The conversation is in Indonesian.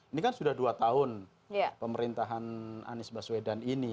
ini kan sudah dua tahun pemerintahan anies baswedan ini